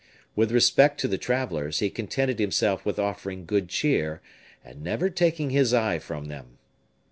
With respect to the travelers, he contented himself with offering good cheer, and never taking his eye from them.